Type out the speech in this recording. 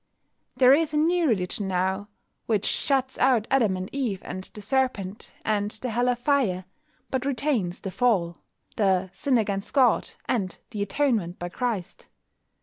There is a new religion now, which shuts out Adam and Eve, and the serpent, and the hell of fire, but retains the "Fall," the "Sin against God," and the "Atonement by Christ."